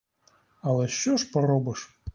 Але що ж поробиш?